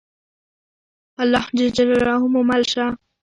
الله ج مو مل شه.